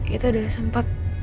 itu udah sempet